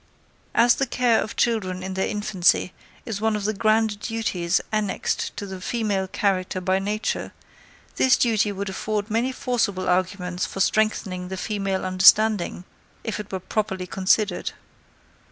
As the care of children in their infancy is one of the grand duties annexed to the female character by nature, this duty would afford many forcible arguments for strengthening the female understanding, if it were properly considered.